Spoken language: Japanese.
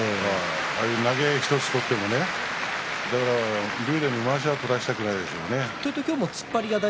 投げ合い、１つ取ってもね竜電にまわしを取らせたくないですね。